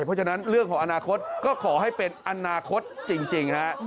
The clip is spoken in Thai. เพราะฉะนั้นเรื่องของอนาคตก็ขอให้เป็นอนาคตจริงฮะ